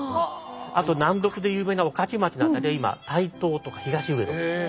あと難読で有名な御徒町の辺りは今台東とか東上野。